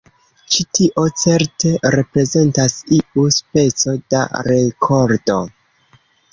Ĉi-tio certe reprezentas iu speco da rekordo.